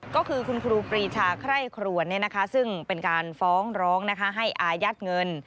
ก็คือคุณครูปรีชาไคร่ครวนซึ่งเป็นการฟ้องร้องให้อายัดเงิน